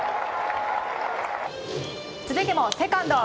続いてもセカンド。